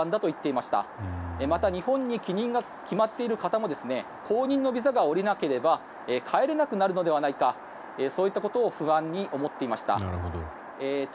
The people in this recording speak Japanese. また、日本に帰任が決まっている方が後任のビザが下りなければ帰れなくなるのではないかそういったことを不安に思っていました。